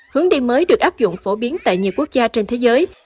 hướng đi mới được áp dụng phổ biến tại nhiều quốc gia trên thế giới